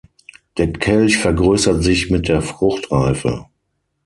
Der Kelch vergrößert sich mit der Fruchtreife.